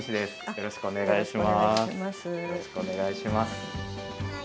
よろしくお願いします。